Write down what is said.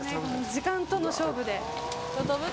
時間との勝負で。